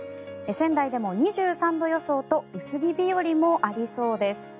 仙台でも２３度予想と薄着日和もありそうです。